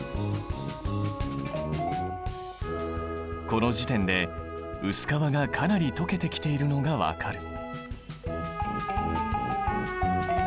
この時点で薄皮がかなり溶けてきているのが分かる。